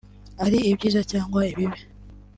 ari ibyiza cyangwa ibibi